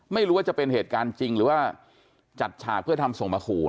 ไม่รู้ว่าจะเป็นเหตุการณ์จริงหรือว่าจัดฉากเพื่อทำส่งมาขู่